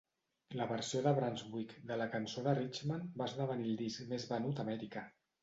La versió de Brunswick de la cançó de Richman va esdevenir el disc més venut a Amèrica.